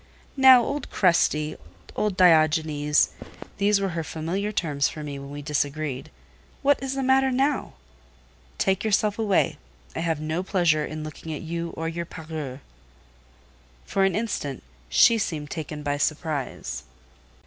"Now, old Crusty—old Diogenes" (these were her familiar terms for me when we disagreed), "what is the matter now?" "Take yourself away. I have no pleasure in looking at you or your parure." For an instant, she seemed taken by surprise.